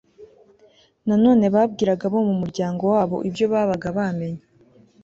nanone babwiraga abo mu muryango wabo ibyo babaga bamenye